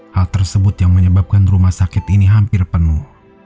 hal tersebut yang menyebabkan rumah sakit ini hampir penuh